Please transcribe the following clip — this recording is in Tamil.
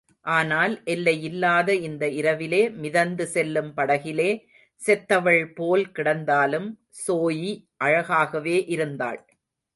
ஆனால் எல்லையில்லாத இந்த இரவிலே, மிதந்து செல்லும் படகிலே, செத்தவள் போல் கிடந்தாலும், ஸோயி அழகாகவே இருந்தாள்.